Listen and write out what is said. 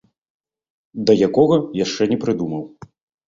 Да якога, яшчэ не прыдумаў.